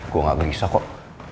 gua gak gelisah kok